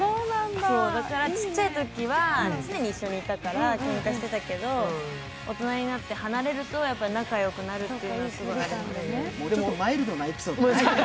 だからちっちゃいときは常に一緒にいたからけんかしたけど、大人になって離れると、仲良くなるというのはすごくあります。